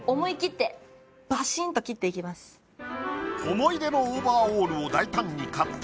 思い出のオーバーオールを大胆にカット。